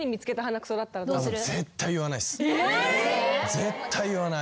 絶対言わない。